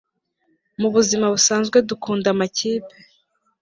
mubuzima busanzwe dukunda amakipe